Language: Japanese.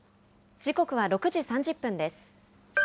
時刻は６時３０分です。